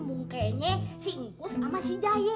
mungkinnya si ingkus sama si jaye